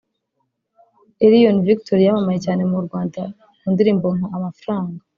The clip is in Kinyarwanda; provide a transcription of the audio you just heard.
Elion Victory yamamaye cyane mu Rwanda ku ndirimbo nka “Amafaranga”